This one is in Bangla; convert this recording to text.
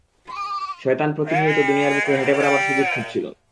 শয়তান প্রতিনিয়ত দুনিয়ার বুকে হেঁটে বেড়াবার সুযোগ খুঁজছিল!